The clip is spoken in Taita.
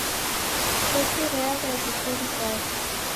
Choki reagha irikonyi kwake.